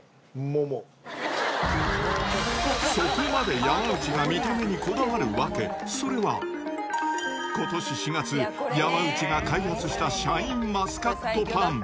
そこまで山内が見た目にこだわる訳、それは、ことし４月、山内が開発したシャインマスカットパン。